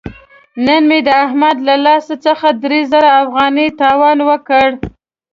نن مې د احمد له لاس څخه درې زره افغانۍ تاوان وکړ.